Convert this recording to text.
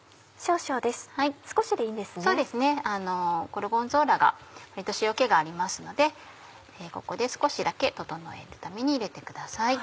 ゴルゴンゾーラが割と塩気がありますのでここで少しだけ調えるために入れてください。